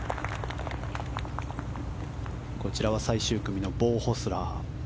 こちらは最終組のボウ・ホスラー。